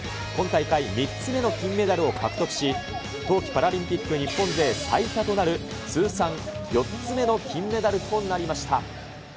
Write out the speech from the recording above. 今大会３つ目の金メダルを獲得し、冬季パラリンピック日本勢最多となる、通算４つ目の金メダルとなりました。